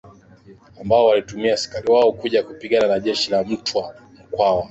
Ambao walituma askari wao kuja kupigana na jeshi la mtwa mkwawa